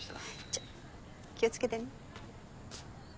じゃ気を付けてね。